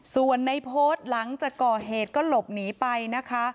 ส่วนในโพสต์หลังจากก่อเหตุก็หลบหนีไปนะคะ